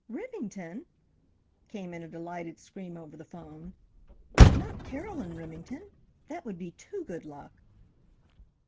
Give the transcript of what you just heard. "Remington!" came in a delighted scream over the phone. "Not Carolyn Remington? That would be too good luck!"